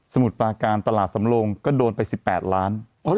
มุดปลาการตลาดสำโลงก็โดนไป๑๘ล้าน